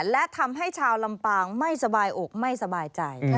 และทำให้ชาวลำปางไม่สบายอกไม่สบายใจ